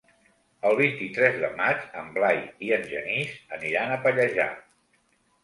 El vint-i-tres de maig en Blai i en Genís aniran a Pallejà.